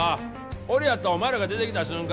俺やってお前らが出てきた瞬間